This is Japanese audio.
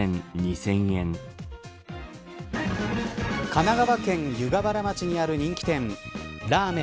神奈川県湯河原町にある人気店らぁ麺